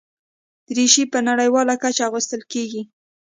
دریشي په نړیواله کچه اغوستل کېږي.